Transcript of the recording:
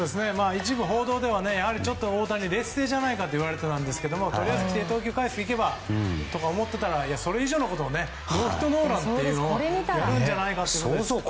一部報道では大谷が劣勢じゃないかといわれていたんですが規定投球回数にいけばとか思っていたらそれ以上のことをノーヒットノーランというのをやるんじゃないかというのを。